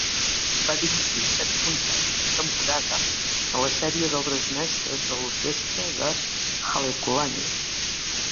Va dirigir set concerts per temporada en la sèrie d'obres mestres de l'orquestra de Halekulani.